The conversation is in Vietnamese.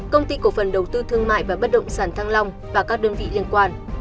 công ty cổ phần đầu tư thương mại và bất động sản thăng long và các đơn vị liên quan